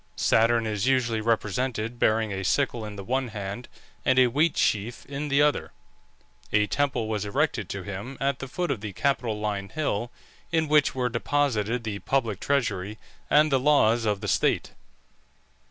Saturn is usually represented bearing a sickle in the one hand and a wheat sheaf in the other. A temple was erected to him at the foot of the Capitoline Hill, in which were deposited the public treasury and the laws of the state.